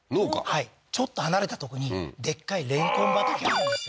はいちょっと離れたとこにでっかいレンコン畑あるんですよ